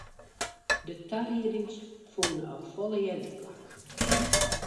De tariedings fûnen al folle earder plak.